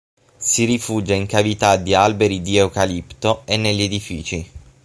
Si rifugia in cavità di alberi di Eucalipto e negli edifici.